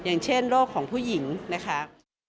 อย่างเช่นโรคของผู้หญิงนะคะ